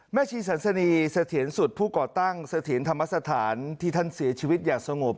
ชีสันสนีเสถียรสุดผู้ก่อตั้งเสถียรธรรมสถานที่ท่านเสียชีวิตอย่างสงบ